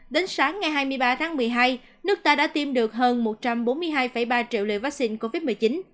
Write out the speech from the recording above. đến sáng ngày hai mươi ba tháng một mươi hai nước ta đã tiêm được hơn một trăm bốn mươi hai ba triệu liều vaccine covid một mươi chín